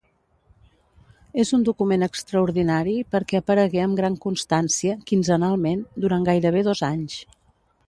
És un document extraordinari perquè aparegué amb gran constància, quinzenalment, durant gairebé dos anys.